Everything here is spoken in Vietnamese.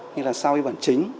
như là sau y bản chính